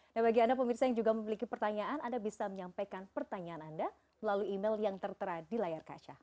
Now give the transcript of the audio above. nah bagi anda pemirsa yang juga memiliki pertanyaan anda bisa menyampaikan pertanyaan anda melalui email yang tertera di layar kaca